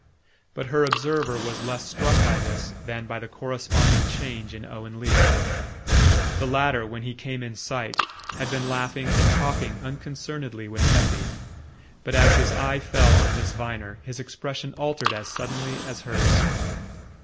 But her observer was less struck by this than by the corresponding change in Owen Leath. The latter, when he came in sight, had been laughing and talking unconcernedly with Effie; but as his eye fell on Miss Viner his expression altered as suddenly as hers.